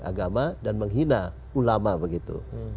agama dan menghina ulama begitu